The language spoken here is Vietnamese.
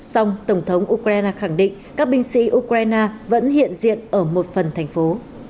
song tổng thống ukraine khẳng định các binh sĩ ukraine vẫn hiện diện ở một phần thành phố